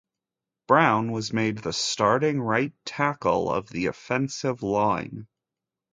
Brown was made the starting right tackle of the offensive line.